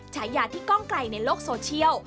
ฉายาที่กล้องไกลในโลกโซเชียล